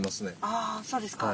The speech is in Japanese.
あそうですか。